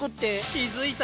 気付いた？